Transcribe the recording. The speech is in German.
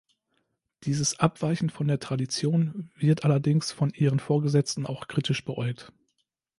Dieses Abweichen von der Tradition wird allerdings von ihren Vorgesetzten auch kritisch beäugt.